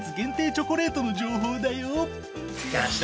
チョコレートの情報だよ。